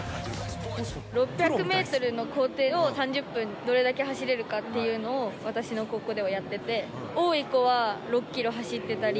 ６００メートルの校庭を３０分どれだけ走れるかっていうのを私の高校ではやってて、多い子は６キロ走ってたり。